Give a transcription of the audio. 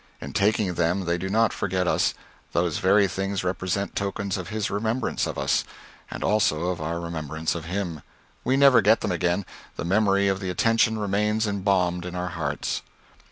In taking them they do not forget us: those very things represent tokens of his remembrance of us, and also of our remembrance of him. We never get them again; the memory of the attention remains embalmed in our hearts."